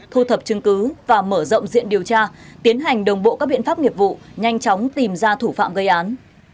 thu thập chứng cứ và mở rộng diện điều tra tiến hành đồng bộ các biện pháp nghiệp vụ nhanh chóng tìm ra thủ phạm gây án